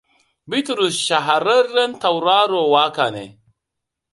Bitrus shahararren tauraro waka ne.